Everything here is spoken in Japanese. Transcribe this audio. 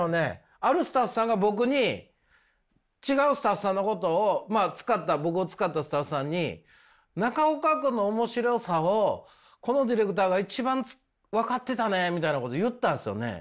あるスタッフさんが僕に違うスタッフさんのことを僕を使ったスタッフさんに中岡君の面白さをこのディレクターが一番分かってたねみたいなことを言ったんですよね。